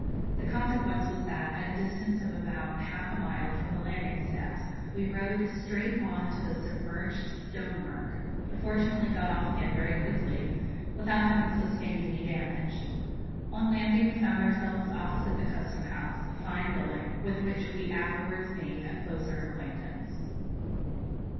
The consequence was that, at a distance of about half a mile from the landing steps, we rowed straight on to the submerged stonework, but fortunately got off again very quickly, without having sustained any damage. On landing, we found ourselves opposite the Custom House, a fine building, with which we afterwards made a closer acquaintance.